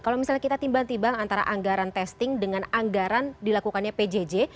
kalau misalnya kita timbang timbang antara anggaran testing dengan anggaran dilakukannya pjj